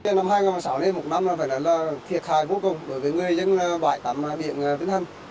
năm hai nghìn sáu đến một năm là thiệt hại vô cùng đối với người dân bãi tắm biển vinh thanh